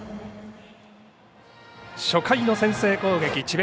初回の先制攻撃、智弁